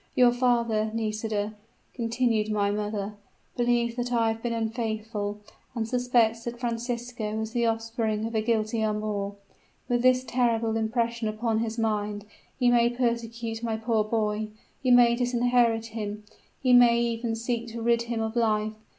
Your father, Nisida,' continued my mother, 'believes that I have been unfaithful, and suspects that Francisco is the offspring of a guilty amour. With this terrible impression upon his mind, he may persecute my poor boy; he may disinherit him; he may even seek to rid him of life.